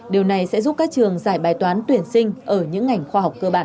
điều này sẽ giúp các trường giải bài toán tuyển sinh ở những ngành khoa học cơ bản